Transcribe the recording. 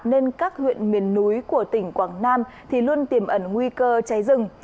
núi của tỉnh quảng nam thì luôn tiềm ẩn nguy cơ cháy rừng